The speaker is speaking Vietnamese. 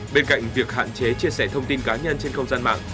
bên cạnh việc hạn chế chia sẻ thông tin cá nhân trên không gian mạng